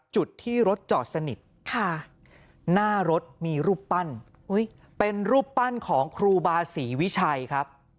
จุดที่รถจอดสนิทหน้ารถมีรูปปั้นเป็นรูปปั้นของครูบาศรีวิชัยครับ